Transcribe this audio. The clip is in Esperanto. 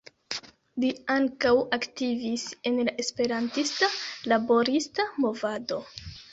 Li ankaŭ aktivis en la esperantista laborista movado.